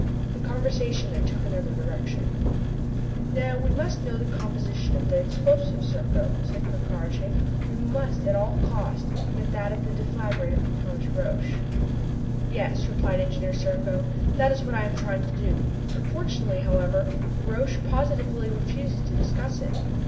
The conversation then took another direction. "Now that we know the composition of the explosive, Serko," said Ker Karraje, "we must, at all cost, get that of the deflagrator from Thomas Roch." "Yes," replied Engineer Serko, "that is what I am trying to do. Unfortunately, however, Roch positively refuses to discuss it.